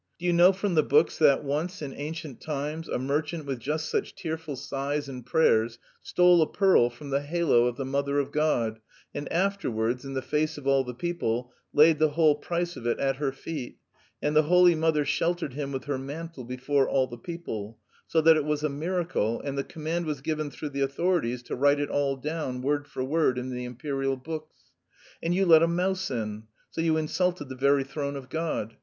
Do you know from the books that once, in ancient times, a merchant with just such tearful sighs and prayers stole a pearl from the halo of the Mother of God, and afterwards, in the face of all the people, laid the whole price of it at her feet, and the Holy Mother sheltered him with her mantle before all the people, so that it was a miracle, and the command was given through the authorities to write it all down word for word in the Imperial books. And you let a mouse in, so you insulted the very throne of God.